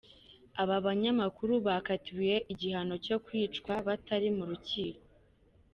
Aba banyamakuru bakatiwe igihano cyo kwicwa batari mu rukiko.